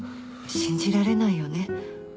信じられないよね。